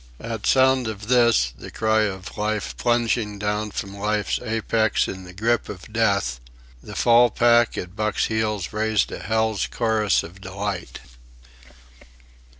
At sound of this, the cry of Life plunging down from Life's apex in the grip of Death, the full pack at Buck's heels raised a hell's chorus of delight.